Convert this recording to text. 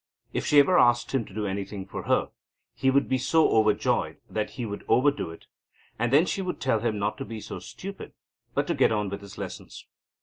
If she ever asked him to do anything for her, he would be so overjoyed that he would overdo it; and then she would tell him not to be so stupid, but to get on with his lessons.